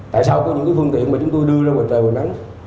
tại sao có những phương tiện mà chúng tôi đưa ra ngoài trời hoàn nắng